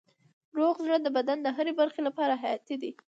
روغ زړه د بدن د هرې برخې لپاره حیاتي دی.